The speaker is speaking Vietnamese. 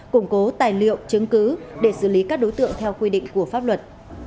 củng cố tài liệu chứng cứ để xử lý các đối tượng theo quy định của pháp luật